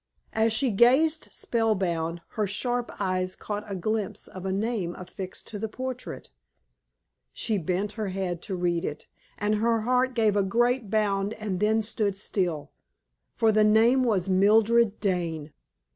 As she gazed spell bound, her sharp eyes caught a glimpse of a name affixed to the portrait. She bent her head to read it, and her heart gave a great bound and then stood still, for the name was Mildred Dane.